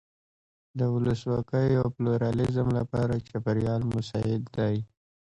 د ولسواکۍ او پلورالېزم لپاره چاپېریال مساعد دی.